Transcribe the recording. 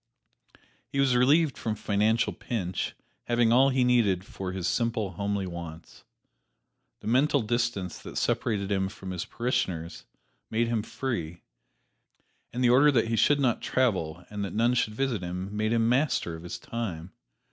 He was relieved from financial pinch, having all he needed for his simple, homely wants. The mental distance that separated him from his parishioners made him free, and the order that he should not travel and that none should visit him made him master of his time.